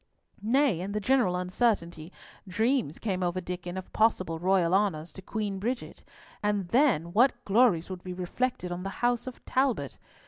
Nay, in the general uncertainty, dreams came over Diccon of possible royal honours to Queen Bridget; and then what glories would be reflected on the house of Talbot!